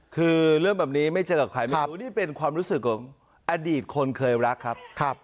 คือเลื่อนแบบนี้ไม่เจออวกน้อยอดีตของคนเคยรักครับ